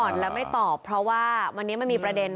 แล้วไม่ตอบเพราะว่าวันนี้มันมีประเด็น